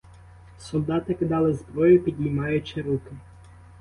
Солдати кидали зброю, підіймаючи руки.